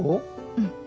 うん。